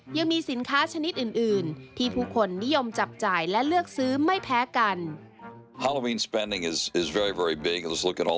ยังมีสินค้าชนิดอื่นที่ผู้คนนิยมจับจ่ายและเลือกซื้อไม่แพ้กัน